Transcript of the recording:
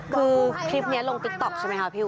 คือคลิปเนี่ยลงติกตอบใช่มั้ยคะพี่อุ๊ย